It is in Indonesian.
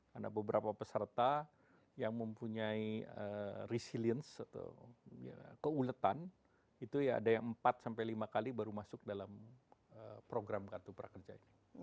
karena beberapa peserta yang mempunyai keuletan itu ya ada yang empat sampai lima kali baru masuk dalam program kartu prakerja ini